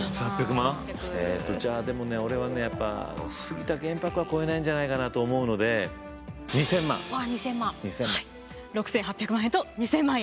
俺はねやっぱ杉田玄白は超えないんじゃないかなと思うので６，８００万円と２，０００万円。